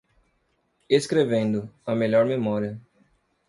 Escrevendo, a melhor memória.